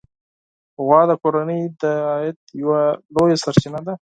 غوا د کورنۍ د عاید یوه لویه سرچینه ده.